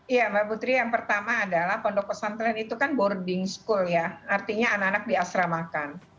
iya mbak putri yang pertama adalah pondok pesantren itu kan boarding school ya artinya anak anak diasramakan